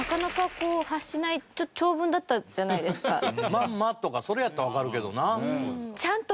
「マンマ」とかそれやったらわかるけどな。